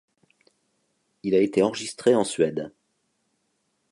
Il a été enregistré en Suède.